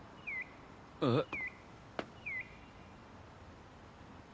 えっ？